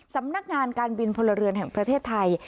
สำนักงานการบินพลเรือนแห่งประเทศไทย